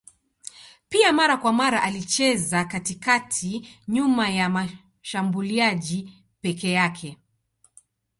Pia mara kwa mara alicheza katikati nyuma ya mshambuliaji peke yake.